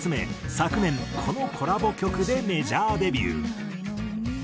昨年このコラボ曲でメジャーデビュー。